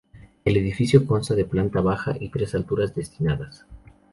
El edificio consta de planta baja y tres alturas destinadas.